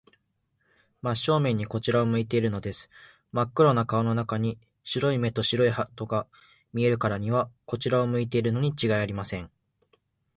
真正面にこちらを向いているのです。まっ黒な顔の中に、白い目と白い歯とが見えるからには、こちらを向いているのにちがいありません。